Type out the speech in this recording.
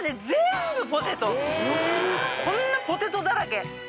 こんなポテトだらけ。